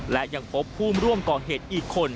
และยังพบผู้ร่วมก่อเหตุอีกคน